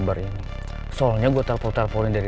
mereka yang sumber masalahnya dad